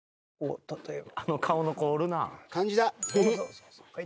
例えば。